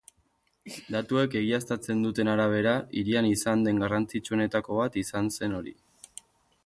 Datuek egiaztatzen duten arabera, hirian izan den garrantzitsuenetako bat izan zen hori.